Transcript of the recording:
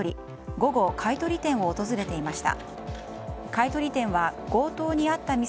午後買い取り店を訪れていました。